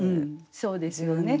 そうですよね。